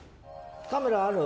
カメラある？